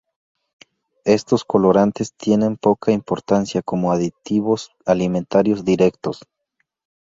Estos colorantes tienen poca importancia como aditivos alimentarios directos.